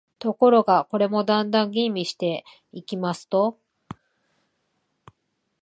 ところが、これもだんだん吟味していきますと、